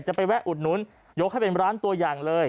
ไปแวะอุดหนุนยกให้เป็นร้านตัวอย่างเลย